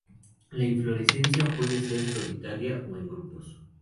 La inflorescencia puede ser solitaria o en grupos.